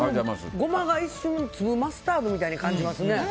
ゴマが一瞬粒マスタードみたいに感じますね。